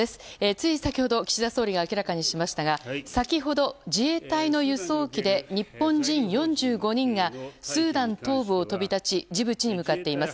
つい先ほど岸田総理が明らかにしましたが先ほど、自衛隊の輸送機で日本人４５人がスーダン東部を飛び立ちジブチに向かっています。